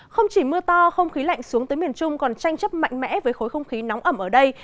không chỉ mưa to không khí lạnh xuống tới miền trung còn tranh chấp mạnh mẽ với khối không khí nóng ẩm ở đây